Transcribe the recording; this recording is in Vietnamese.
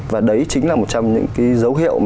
và đấy chính là một trong những dấu hiệu